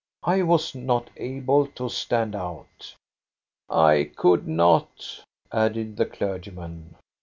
I was not able to stand out." " I could not," added the clergyman.